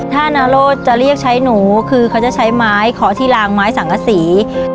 ถ้านาโรธจะเรียกใช้หนูคือเขาจะใช้ไม้เคาะที่ลางไม้สังกษี